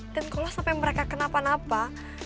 dan kalau sampai mereka kenapa napa